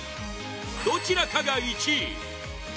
どちらかが１位！